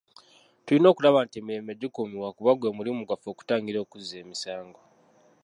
Tulina okulaba nti emirembe gikuumibwa kuba gwe mulimu gwaffe okutangira okuzza emisango.